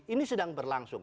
ini sedang berlangsung